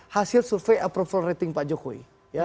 hasil survei approval rating pak jokowi